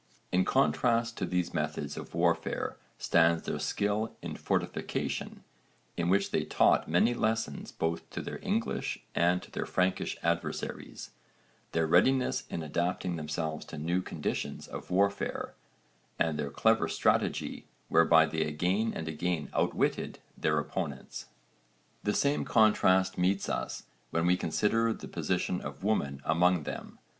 In contrast to these methods of warfare stands their skill in fortification, in which they taught many lessons both to their English and to their Frankish adversaries, their readiness in adapting themselves to new conditions of warfare (v. supra, p. 46), and their clever strategy, whereby they again and again outwitted their opponents. The same contrast meets us when we consider the position of women among them.